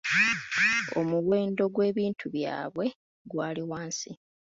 Omuwendo gw'ebintu byabwe gwali wansi.